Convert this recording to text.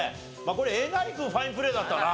これえなり君ファインプレーだったな。